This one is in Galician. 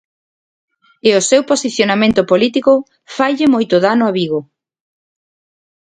E o seu posicionamento político faille moito dano a Vigo.